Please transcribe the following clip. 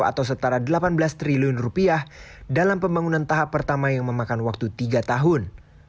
atau setara delapan belas triliun rupiah dalam pembangunan tahap pertama yang memakan waktu tiga tahun